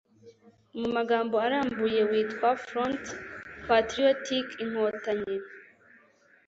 mu magambo arambuye witwa front patriotique-inkotanyi